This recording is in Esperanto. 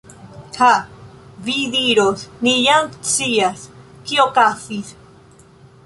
Ha, vi diros, ni jam scias, kio okazis.